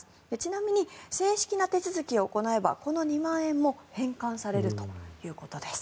ちなみに正式な手続きを行えばこの２万円も返還されるということです。